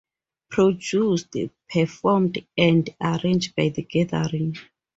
Produced, performed and arranged by The Gathering.